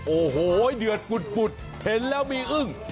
โอ้โหเดือดปุดเห็นแล้วมีอึ้ง